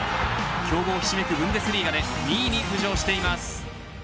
強豪ひしめくブンデスリーガで２位に浮上しています。